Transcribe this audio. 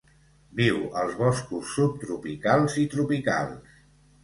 Viu als boscos subtropicals i tropicals.